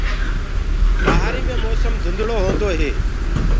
بهآري مي موسم ڌُندݪو هوندو هي۔